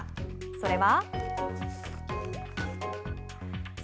それは？